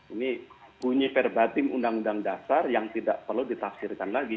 ini bunyi verbatim undang undang dasar yang tidak perlu ditafsirkan lagi